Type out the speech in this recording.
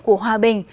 của hòa bình